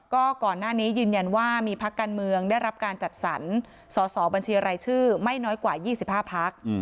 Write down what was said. ก็ก่อนหน้านี้ยืนยันว่ามีพักการเมืองได้รับการจัดสรรสอสอบัญชีรายชื่อไม่น้อยกว่า๒๕พัก